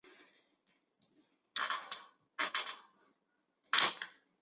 路灯亮化工程全面完成。